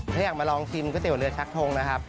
ถ้าอยากมาลองชิมก๋วเตี๋เรือชักทงนะครับ